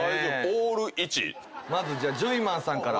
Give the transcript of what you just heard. まずジョイマンさんから。